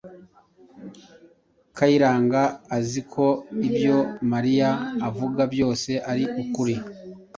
Kayiranga azi ko ibyo Mariya avuga byose ari ukuri.